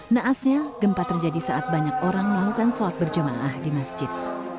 naasnya gempa terjadi saat banyak orang melakukan sholat berjamaah di masjid